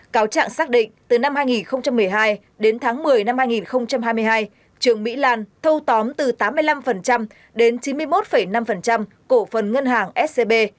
cáo trạng xác định từ năm hai nghìn một mươi hai đến tháng một mươi năm hai nghìn hai mươi hai trương mỹ lan thâu tóm từ tám mươi năm đến chín mươi một năm cổ phần ngân hàng scb